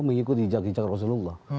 mengikut hijak hijak rasulullah